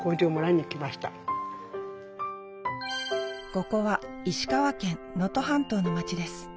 ここは石川県能登半島の町です。